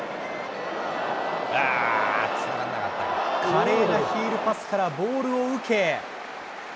華麗なヒールパスからボールを受け。